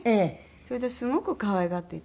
それですごく可愛がっていただいて。